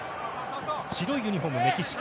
白いユニホームがメキシコ。